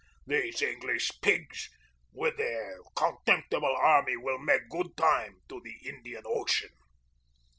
These English pigs with their contemptible army will make good time to the Indian Ocean."